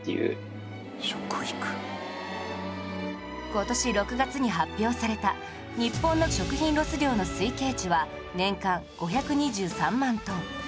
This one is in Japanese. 今年６月に発表された日本の食品ロス量の推計値は年間５２３万トン